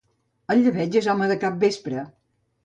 El llebeig és home de capvespre.